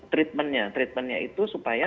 treatmentnya treatmentnya itu supaya